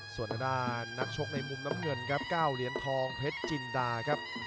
ส่วนทางด้านนักชกในมุมน้ำเงินครับ๙เหรียญทองเพชรจินดาครับ